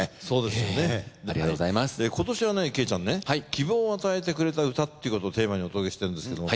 希望を与えてくれた歌っていうことをテーマにお届けしてるんですけども。